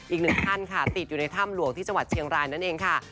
อีกหนึ่งท่านค่ะติดอยู่ในถ้ำหลวงที่จังหวัดเชียงรายนั่นเองค่ะ